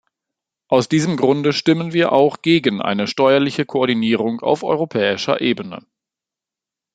Aus diesem Grunde stimmen wir auch gegen eine steuerliche Koordinierung auf europäischer Ebene.